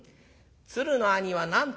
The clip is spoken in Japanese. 鶴の兄は何と申す？